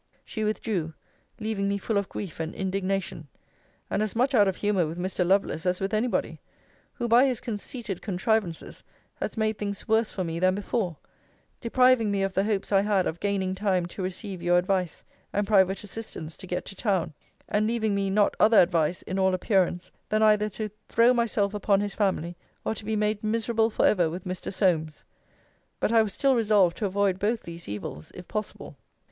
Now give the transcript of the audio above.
She withdrew; leaving me full of grief and indignation: and as much out of humour with Mr. Lovelace as with any body; who, by his conceited contrivances, has made things worse for me than before; depriving me of the hopes I had of gaining time to receive your advice, and private assistance to get to town; and leaving me not other advice, in all appearance, than either to throw myself upon his family, or to be made miserable for ever with Mr. Solmes. But I was still resolved to avoid both these evils, if possible.